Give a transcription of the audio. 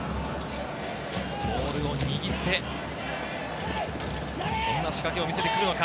ボールを握って、どんな仕掛けを見せてくるのか？